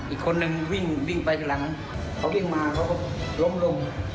อีกคนนึงวิ่งไปหลังเขาวิ่งมาเขาก็ล้มลง